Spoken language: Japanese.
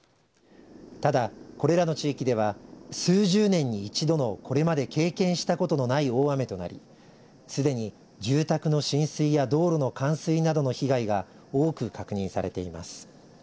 ただ、これらの地域では数十年に一度のこれまで経験したことのない大雨となりすでに住宅の浸水や道路の冠水などの被害が多く確認されています。